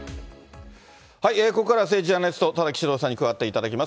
ここからは政治ジャーナリスト、田崎史郎さんに加わっていただきます。